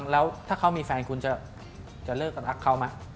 แล้วถ้าเขามีแฟนคุณจะเลิกกันรักเขาไหม